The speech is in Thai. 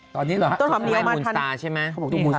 ตอนนี้เหรอครับต้นหอมเหนียวมากคันไหมครับคุณแม่มูลท์สตาร์ใช่ไหม